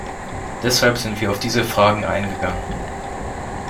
Deshalb sind wir auf diese Fragen eingegangen.